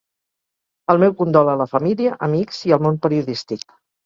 El meu condol a la família, amics i al món periodístic.